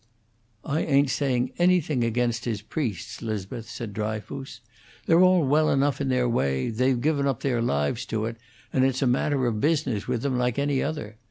"I ain't saying anything against his priests, 'Liz'beth," said Dryfoos. "They're all well enough in their way; they've given up their lives to it, and it's a matter of business with them, like any other.